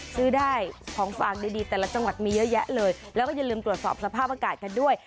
ซื้อได้ของฝากดีแต่ละจังหวัดมีเยอะแยะเลยแล้วก็อย่าลืมตรวจสอบสภาพอากาศกันด้วย